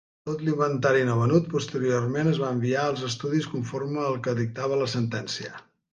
Tot l'inventari no venut, posteriorment es va enviar als estudis conforme el que dictava la sentència.